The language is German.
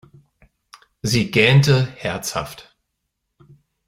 Sie gähnte herzhaft.